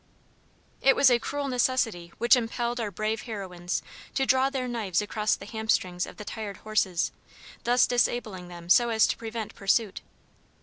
It was a cruel necessity which impelled our brave heroines to draw their knives across the hamstrings of the tired horses, thus disabling them so as to prevent pursuit.